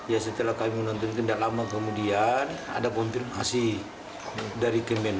ya setelah kami menonton tindak lama kemudian ada konfirmasi dari kemenlu